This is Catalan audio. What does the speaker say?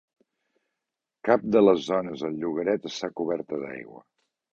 Cap de les zones del llogaret està coberta d'aigua.